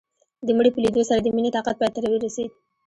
د مړي په ليدو سره د مينې طاقت پاى ته ورسېد.